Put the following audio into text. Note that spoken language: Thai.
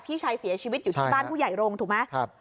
พี่ชายเสียชีวิตอยู่ที่บ้านผู้ใหญ่โรงถูกไหม